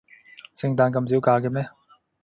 聖誕咁少假嘅咩？